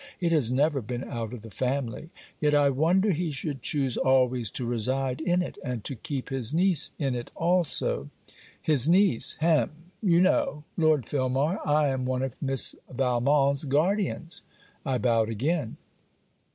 It has never been out of the family. Yet I wonder he should choose always to reside in it; and to keep his niece in it also. His niece Hem! You know, Lord Filmar, I am one of Miss Valmont's guardians.' I bowed again.